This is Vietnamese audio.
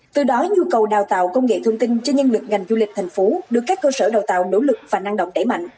từ đó nhu cầu đào tạo công nghệ thông tin cho nhân lực ngành du lịch thành phố được các cơ sở đào tạo nỗ lực và năng động đẩy mạnh